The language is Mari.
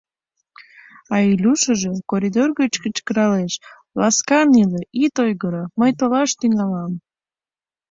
А Илюшыжо коридор гыч кычкыралеш: — Ласкан иле, ит ойгыро, мый толаш тӱҥалам.